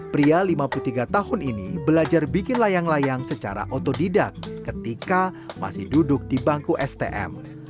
pria lima puluh tiga tahun ini belajar bikin layang layang secara otodidak ketika masih duduk di bangku stm